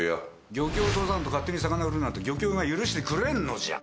漁協を通さんと勝手に魚売るなんて漁協が許してくれんのじゃ。